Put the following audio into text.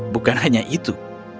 bukan hanya itu